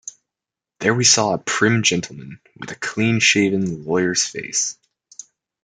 There we saw a prim gentleman, with a clean-shaven, lawyer’s face.